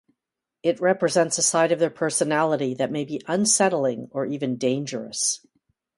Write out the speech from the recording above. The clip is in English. It represents a side of their personality that may be unsettling or even dangerous.